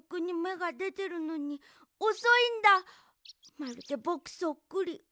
まるでぼくそっくり。